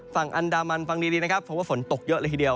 ฝั่งอันดามันฝั่งดีฝั่งว่าฝนตกเยอะเลยทีเดียว